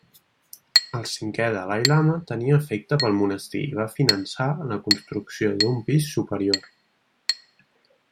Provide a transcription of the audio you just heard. El cinquè Dalai-lama tenia afecte pel monestir i va finançar la construcció d'un pis superior.